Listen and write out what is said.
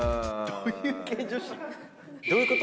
どういうこと？